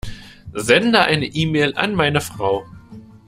Sende eine E-Mail an meine Frau.